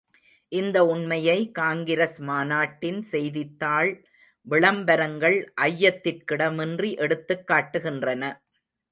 இந்த உண்மையை காங்கிரஸ் மாநாட்டின் செய்தித்தாள் விளம்பரங்கள் ஐயத்திற்கிடமின்றி எடுத்துக் காட்டுகின்றன.